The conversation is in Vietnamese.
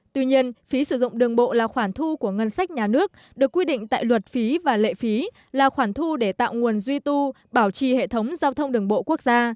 tuy nhiên phí sử dụng đường bộ là khoản thu của ngân sách nhà nước được quy định tại luật phí và lệ phí là khoản thu để tạo nguồn duy tu bảo trì hệ thống giao thông đường bộ quốc gia